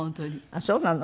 あっそうなの？